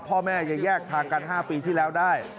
พ่อแม่จะแยกทางกัน๕ปีที่แล้วได้